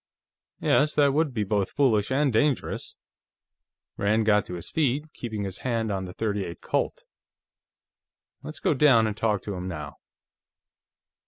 "Yes, that would be both foolish and dangerous." Rand got to his feet, keeping his hand on the .38 Colt. "Let's go down and talk to him now."